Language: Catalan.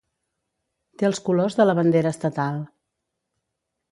Té els colors de la bandera estatal.